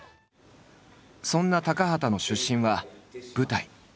そんな高畑の出身は舞台。